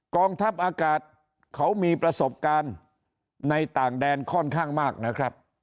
กองทัพอากาศเขามีประสบการณ์ในต่างแดนค่อนข้างมากนะครับ